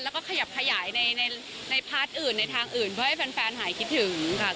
แล้วก็ขยับขยายในพาร์ทอื่นในทางอื่นเพื่อให้แฟนหายคิดถึงค่ะ